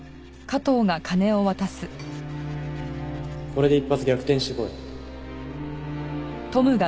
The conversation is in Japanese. これで一発逆転してこい。